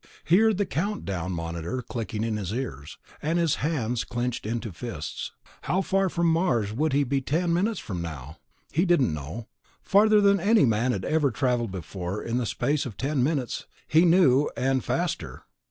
He heard the count down monitor clicking in his ears, and his hands clenched into fists. How far from Mars would he be ten minutes from now? He didn't know. Farther than any man had ever traveled before in the space of ten minutes, he knew, and faster.